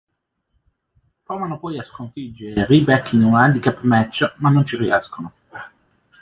Provano poi a sconfiggere Ryback in un Handicap Match ma non ci riescono.